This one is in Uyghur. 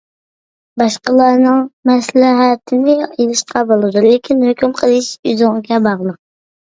باشقىلارنىڭ مەسلىھەتىنى ئېلىشقا بولىدۇ، لېكىن ھۆكۈم قىلىش ئۆزۈڭگە باغلىق.